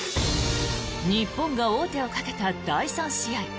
日本が王手をかけた第３試合。